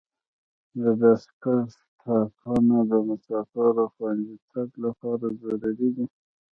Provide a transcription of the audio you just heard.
د بایسکل سټاپونه د مسافرو خوندي تګ لپاره ضروري دي.